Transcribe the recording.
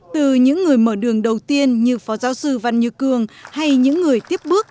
từ những người mở đường đầu tiên như phó giáo sư văn như cường hay những người tiếp bước